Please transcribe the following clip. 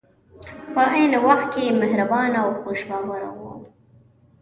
په عین وخت کې مهربان او خوش باوره وو.